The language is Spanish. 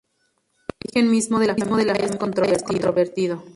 El origen mismo de la familia es controvertido.